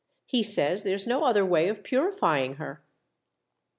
He says there's no other way of purifying of her."